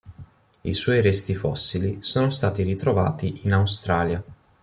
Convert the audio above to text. I suoi resti fossili sono stati ritrovati in Australia.